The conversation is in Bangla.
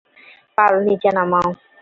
পাল নীচে নামাও!